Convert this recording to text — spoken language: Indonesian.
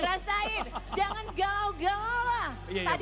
rasain jangan galau galau lah tadi